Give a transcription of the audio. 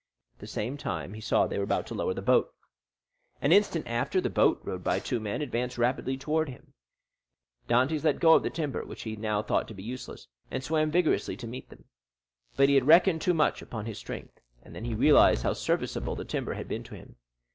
At the same time, he saw they were about to lower the boat. An instant after, the boat, rowed by two men, advanced rapidly towards him. Dantès let go of the timber, which he now thought to be useless, and swam vigorously to meet them. But he had reckoned too much upon his strength, and then he realized how serviceable the timber had been to him.